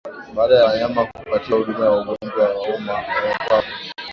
Baada ya wanyama kupatiwa huduma ya ugonjwa wa homa ya mapafu